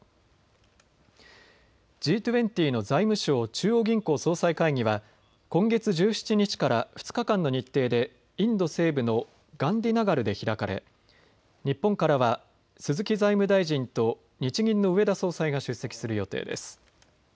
Ｇ２０の財務相・中央銀行総裁会議は今月１７日から２日間の日程でインド西部のガンディナガルで開かれ日本からは鈴木財務大臣と日銀の植田総裁が出席する予定です。